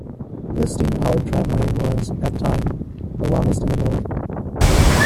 This steam powered tramway was, at the time, the longest in the world.